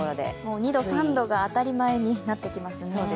２度３度が当たり前に、なってきますね。